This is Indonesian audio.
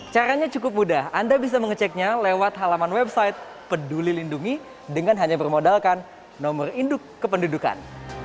caranya cukup mudah anda bisa mengeceknya lewat halaman website peduli lindungi dengan hanya bermodalkan nomor induk kependudukan